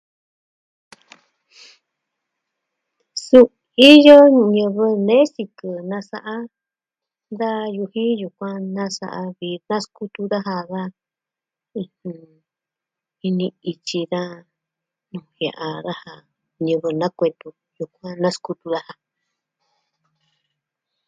Suu iyo ñivɨ nee sikɨ nasa'a da yuu jin yukuan nasa'a vi naskutu daja da... ɨjɨn... ini ityi da najia'a daja, ñivɨ nakutu yukuan naskutu daja.